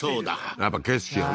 やっぱ景色をね